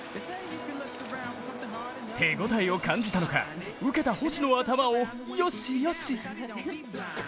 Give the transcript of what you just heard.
手応えを感じたのか受けた捕手の頭をよしよし。